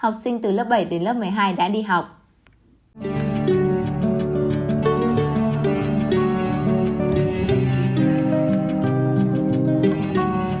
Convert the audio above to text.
học sinh từ lớp bảy đến lớp một mươi hai đã đi học